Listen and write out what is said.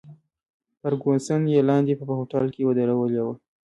فرګوسن یې لاندې په هوټل کې ودرولې وه.